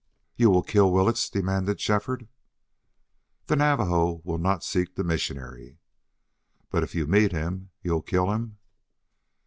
"You will kill Willetts?" demanded Shefford. "The Navajo will not seek the missionary." "But if you meet him you'll kill him?"